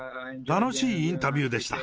楽しいインタビューでした。